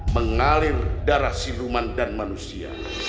mengalir darah siluman dan manusia